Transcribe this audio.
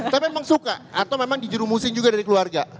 tapi memang suka atau memang dijerumusin juga dari keluarga